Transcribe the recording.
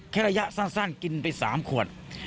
ระยะสั้นกินไป๓ขวด